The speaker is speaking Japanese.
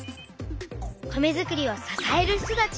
「米づくりを支える人たち」。